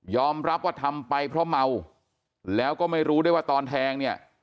รับว่าทำไปเพราะเมาแล้วก็ไม่รู้ด้วยว่าตอนแทงเนี่ย